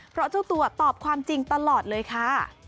เพราะเจ้าตัวตอบความจริงตลอดเลยค่ะ